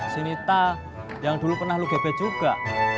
sinita yang dulu pernah lu gebet juga